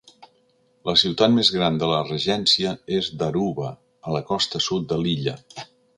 La ciutat més gran de la regència és Daruba, a la costa sud de l'illa.